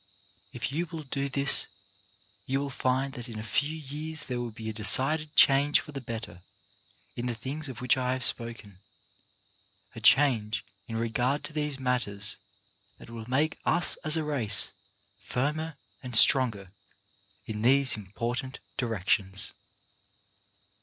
If you will do this you will find that in a few years there will be a decided change for the better in the things of which I have spoken, a change in regard to these matters that will make us as a race firmer and stronger in these impor tant directions.